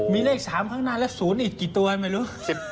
มีเลข๓ข้างหน้าและ๐อีกกี่ตัวไม่รู้